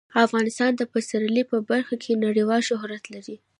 افغانستان د پسرلی په برخه کې نړیوال شهرت لري.